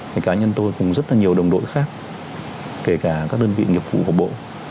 thì cá nhân tôi cùng rất là nhiều đồng đội khác kể cả các đơn vị nghiệp vụ của bộ